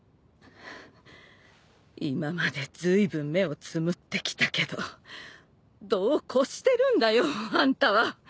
今までずいぶん目をつむってきたけど度を越してるんだよあんたは。